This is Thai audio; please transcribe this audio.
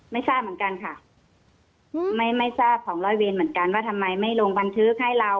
ไม่ทราบเหมือนกันค่ะไม่ไม่ทราบของร้อยเวรเหมือนกันว่าทำไมไม่ลงบันทึกให้เรา